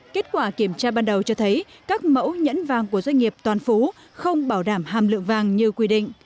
kết quả kiểm tra ban đầu cho thấy các mẫu nhẫn vàng của doanh nghiệp toàn phú không bảo đảm hàm lượng vàng như quy định